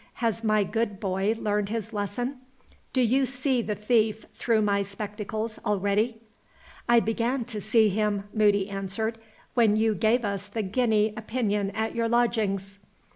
"Has my good boy learned his lesson? Do you see the thief through my spectacles, already?" "I began to see him," Moody answered, "when you gave us the guinea opinion at your lodgings."